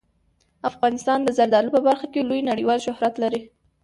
افغانستان د زردالو په برخه کې لوی نړیوال شهرت لري.